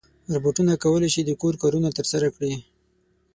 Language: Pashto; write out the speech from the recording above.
روبوټونه کولی شي د کور کارونه ترسره کړي.